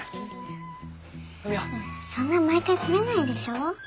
そんな毎回来れないでしょ？